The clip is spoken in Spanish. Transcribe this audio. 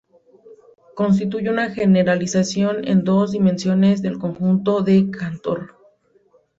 Constituye una generalización en dos dimensiones del conjunto de Cantor.